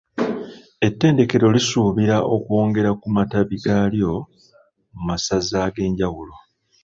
Ettendekero lisuubira okwongera ku matabi gaalyo mu masaza ag’enjawulo.